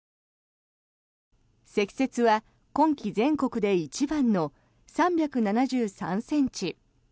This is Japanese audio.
積雪は今季全国で一番の３７３ｃｍ。